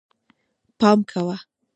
پام کوه